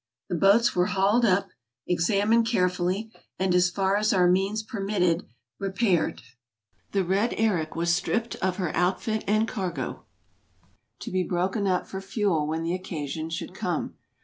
The boats were hauled up, examined carefully, and, as far as our means permitted, repaired. The " Red Eric " was stripped of her outfit and cargo, to be broken up for fuel when the occasion should come.